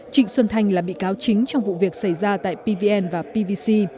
trịnh xuân thanh là bị cáo chính trong vụ việc xảy ra tại pvn và pvc